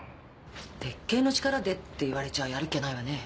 鉄警の力でって言われちゃやるっきゃないわね。